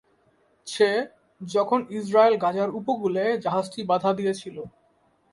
ছে, যখন ইসরায়েল গাজার উপকূলে জাহাজটি বাধা দিয়েছিল।